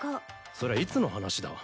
そりゃいつの話だ？